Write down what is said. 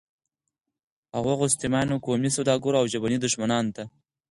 او هغو ستمیانو، قومي سوداګرو او ژبني دښمنانو ته